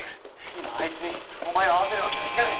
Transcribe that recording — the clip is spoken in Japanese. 今あいつにお前を会わせるわけにはいかない！